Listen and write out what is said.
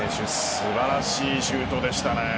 素晴らしいシュートでしたね。